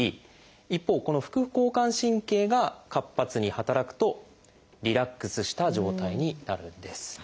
一方この副交感神経が活発に働くとリラックスした状態になるんです。